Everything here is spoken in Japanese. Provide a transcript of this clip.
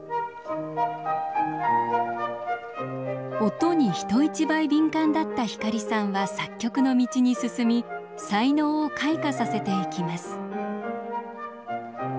音に人一倍敏感だった光さんは作曲の道に進み才能を開花させていきます。